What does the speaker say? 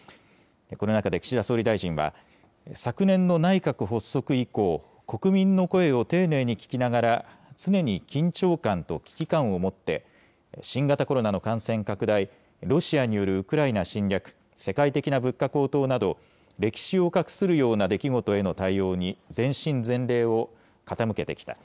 この中で岸田総理大臣は、昨年の内閣発足以降、国民の声を丁寧に聞きながら、常に緊張感と危機感を持って、新型コロナの感染拡大、ロシアによるウクライナ侵略、世界的な物価高騰など、歴史を画するような出来事への対応に、全身全霊を傾けてきた。